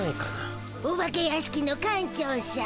お化け屋敷の館長しゃん。